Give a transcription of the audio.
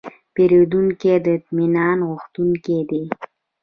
پیرودونکی د اطمینان غوښتونکی دی.